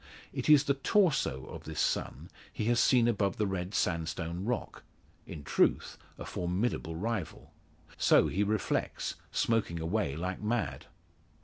It is the torso of this son he has seen above the red sandstone rock. In truth, a formidable rival! So he reflects, smoking away like mad.